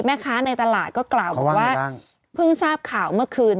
แม่ค้าในตลาดก็กล่าวบอกว่าเพิ่งทราบข่าวเมื่อคืน